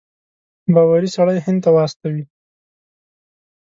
باوري سړی هند ته واستوي.